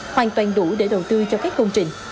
hoàn toàn đủ để đầu tư cho các công trình